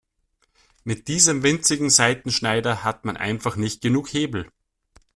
Mit diesem winzigen Seitenschneider hat man einfach nicht genug Hebel.